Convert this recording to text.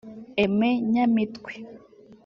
Aime Nyamitwe